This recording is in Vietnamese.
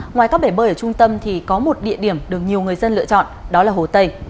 ngoài các bể bơi ở trung tâm thì có một địa điểm được nhiều người dân lựa chọn đó là hồ tây